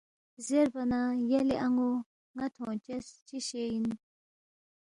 زیربا نہ یلے ان٘و ن٘ا تھونگچس چی شیے اِن